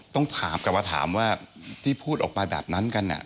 ต้องถามกลับมาถามว่าที่พูดออกไปแบบนั้นกัน